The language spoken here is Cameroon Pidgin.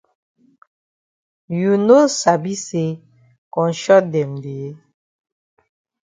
You no sabi say konshot dem dey?